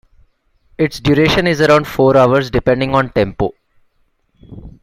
Its duration is around four hours, depending on tempo.